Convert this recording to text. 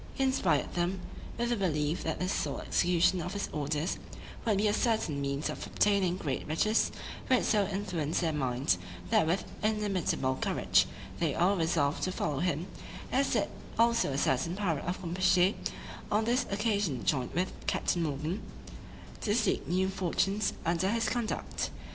He inspired them with the belief that the sole execution of his orders would be a certain means of obtaining great riches, which so influenced their minds, that with inimitable courage they all resolved to follow him, as did also a certain pirate of Campechy, on this occasion joined with Captain Morgan, to seek new fortunes under his conduct.